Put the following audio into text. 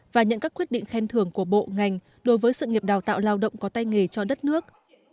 và nhận các quyết định khen thưởng của bộ ngành đối với sự nghiệp đào tạo lao động có tay nghề cho đất nước